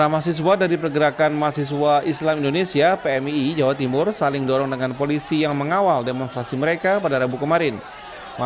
masih suaranya masih suaranya masih suaranya masih suaranya